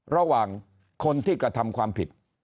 ระหว่างคนที่กระทำความผิด